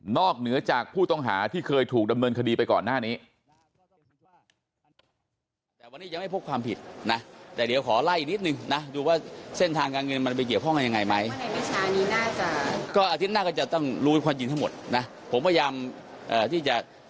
เหนือจากผู้ต้องหาที่เคยถูกดำเนินคดีไปก่อนหน้านี้